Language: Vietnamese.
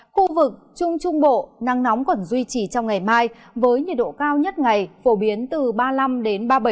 khu vực trung trung bộ nắng nóng còn duy trì trong ngày mai với nhiệt độ cao nhất ngày phổ biến từ ba mươi năm ba mươi bảy